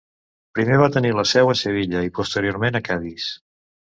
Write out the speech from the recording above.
Primer va tenir la seu a Sevilla i posteriorment a Cadis.